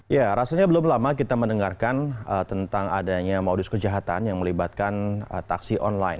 ya rasanya belum lama kita mendengarkan tentang adanya modus kejahatan yang melibatkan taksi online